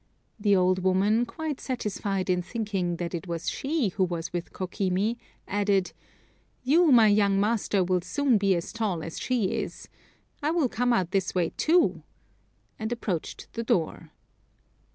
The old woman, quite satisfied in thinking that it was she who was with Kokimi, added: "You, my young master, will soon be as tall as she is; I will come out this way, too," and approached the door.